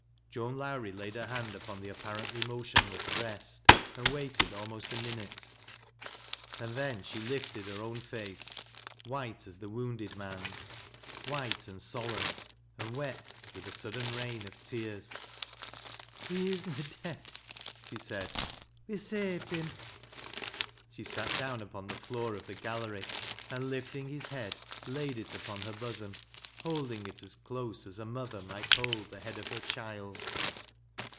iToan Lowrie laid her hand upon the apparently motion ess breast and waited almost a minute, and then sh*; ..itted her own face, white as the wounded man's — wliite *nd solemn, and wet with a eudden rain of tears. " He is na dead," she said. " We ha' saved him." She sat down upon the floor of the gallery and lifting his head laid it upon her bosom, holding it close as a mother might hold the head of her child.